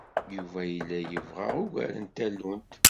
Yuba yella yebɣa ugar n tallunt.